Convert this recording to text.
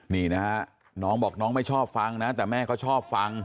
นี่นะฮะน้องบอกน้องไม่ชอบฟังนะแต่แม่ก็ชอบฟัง